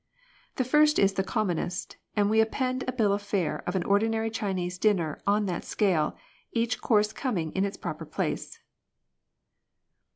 The first is the commonest, and we append a bill of fare of an ordinary Chinese dinner on that scale, each course coming in its proper place.